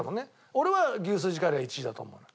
俺は牛すじカレーが１位だと思うのよ。